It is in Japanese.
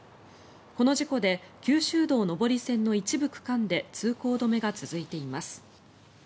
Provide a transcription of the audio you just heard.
この事故で九州道上り線の一部区間で通行止めが続いています。